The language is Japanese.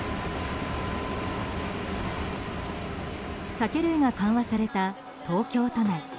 酒類が緩和された東京都内。